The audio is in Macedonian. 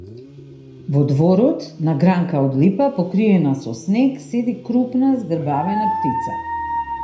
Во дворот, на гранка од липа, покриена со снег, седи крупна, згрбавена птица.